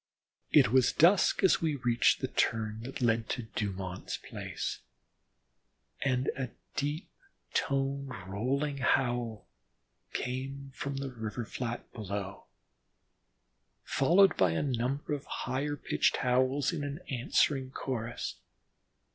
It was dusk as we reached the turn that led to Dumont's place, and a deep toned rolling howl came from the river flat below, followed by a number of higher pitched howls in answering chorus.